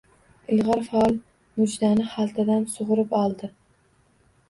Ilg‘or faol mujdani xaltadan sug‘urib oldi.